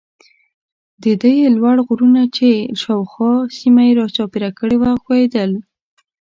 د ده یې لوړ غرونه چې شاوخوا سیمه یې را چاپېره کړې وه خوښېدل.